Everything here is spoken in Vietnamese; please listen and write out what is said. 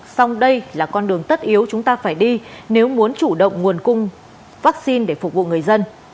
song đây là con đường tất yếu chúng ta phải đi nếu muốn chủ động nguồn cung vaccine để phục vụ người dân